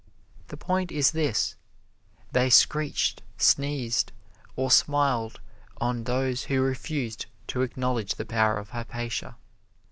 The point is this: they screeched, sneezed, or smiled on those who refused to acknowledge the power of Hypatia.